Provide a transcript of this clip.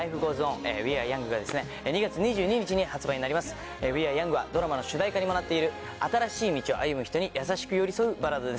『Ｗｅａｒｅｙｏｕｎｇ』はドラマの主題歌にもなっている新しい道を歩む人に優しく寄り添うバラードです。